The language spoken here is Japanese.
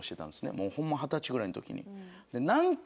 もうホンマ二十歳ぐらいの時に。